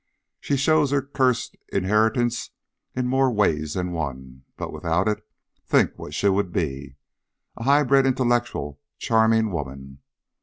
She shows her cursed inheritance in more ways than one, but without it, think what she would be, a high bred, intellectual, charming woman.